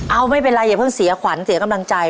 เอาไม่เป็นไรอย่าเพิ่งเสียขวัญเสียกำลังใจ